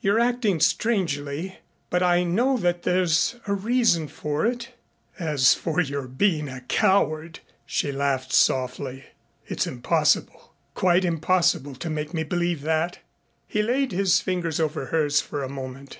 You're acting strangely, but I know that there's a reason for it. As for your being a coward" she laughed softly "it's impossible quite impossible to make me believe that." He laid his fingers over hers for a moment.